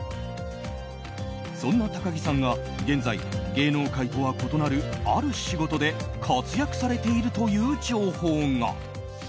そんな高樹さんが現在芸能界とは異なるある仕事で活躍されているという情報が。